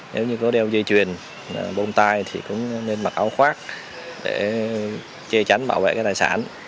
nếu như có đeo dây chuyền bông tai thì cũng nên mặc áo khoác để chê chánh bảo vệ tài sản